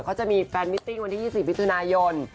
เขาจะมีแฟนมิตติ้งวันที่๒๔มิถุนายน